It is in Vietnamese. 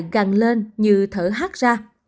gần lên như thở hát ra